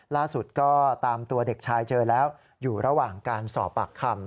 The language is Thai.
ล่าสุดก็ตามตัวเด็กชายเจอแล้วอยู่ระหว่างการสอบปากคำ